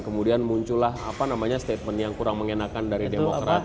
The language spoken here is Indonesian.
kemudian muncullah statement yang kurang mengenakan dari demokrat